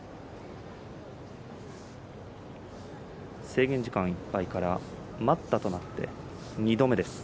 制限時間いっぱいから待ったとなって２度目です。